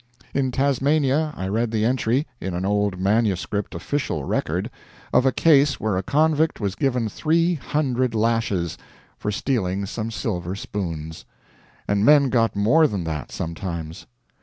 In Tasmania I read the entry, in an old manuscript official record, of a case where a convict was given three hundred lashes for stealing some silver spoons. And men got more than that, sometimes.